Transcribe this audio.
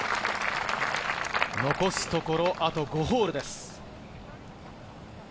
残すところあと５ホールです。